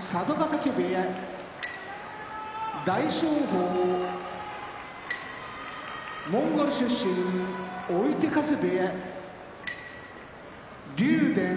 佐渡ヶ嶽部屋大翔鵬モンゴル出身追手風部屋竜電